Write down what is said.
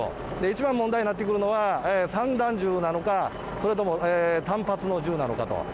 一番問題になってくるのは、散弾銃なのか、それとも単発の銃なのかと。